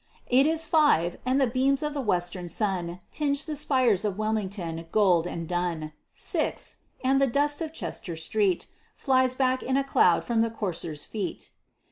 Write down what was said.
It is five; and the beams of the western sun Tinge the spires of Wilmington gold and dun; Six; and the dust of Chester Street Flies back in a cloud from the courser's feet.